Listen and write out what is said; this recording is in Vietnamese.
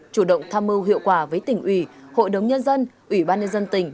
chủ động tham mưu hiệu quả với tỉnh ủy hội đồng nhân dân ủy ban nhân dân tỉnh